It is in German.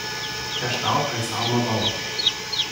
Er starb als armer Bauer.